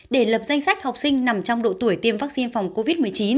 để lập danh sách học sinh nằm trong độ tuổi tiêm vaccine phòng covid một mươi chín